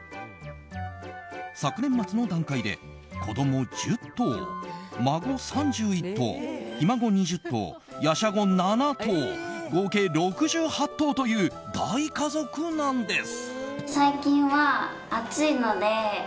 昨年末の段階で子供１０頭孫３１頭、ひ孫２０頭玄孫７頭合計６８頭という大家族なんです。